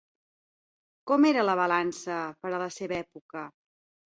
Com era la balança per a la seva època?